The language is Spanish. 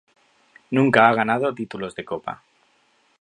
Nunca ha ganado títulos de copa.